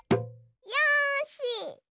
よし！